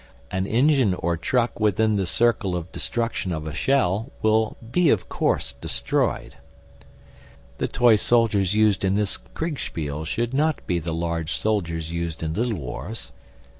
An engine or truck within the circle of destruction of a shell will be of course destroyed. The toy soldiers used in this Kriegspiel should not be the large soldiers used in Little Wars.